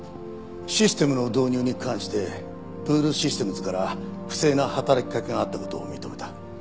システムの導入に関してブールシステムズから不正な働きかけがあった事を認めた。